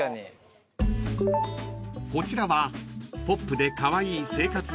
［こちらはポップでカワイイ生活雑貨